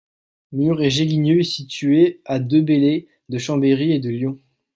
Murs-et-Gélignieux est situé à de Belley, de Chambéry et de Lyon.